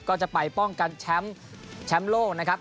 ก็จะไปป้องกันแชมป์แชมป์โลกนะครับ